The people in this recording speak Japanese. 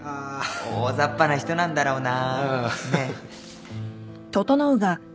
大ざっぱな人なんだろうな。